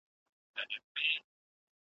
زموږ په ناړو د کلو رنځور جوړیږي `